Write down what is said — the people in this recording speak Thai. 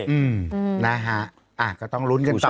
อืมนะฮะก็ต้องรุ้นกันต่อแล้วกัน